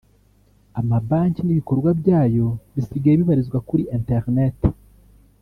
Amabanki n’ibikorwa byayo bisigaye bibarizwa kuri internet